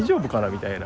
みたいな。